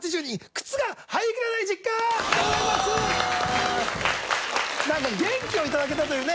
覆鵑元気をいただけたというね